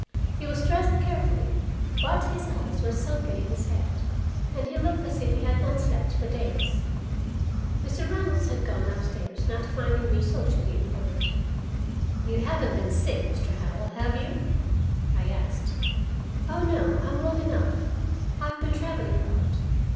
He was dressed carefully, but his eyes were sunken in his head, and he looked as if he had not slept for days. Mr. Reynolds had gone up stairs, not finding me socially inclined. "You haven't been sick, Mr. Howell, have you?" I asked. "Oh, no, I'm well enough, I've been traveling about.